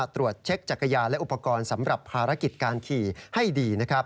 ตรวจเช็คจักรยานและอุปกรณ์สำหรับภารกิจการขี่ให้ดี